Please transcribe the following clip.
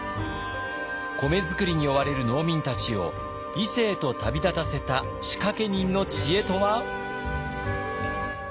米作りに追われる農民たちを伊勢へと旅立たせた仕掛け人の知恵とは？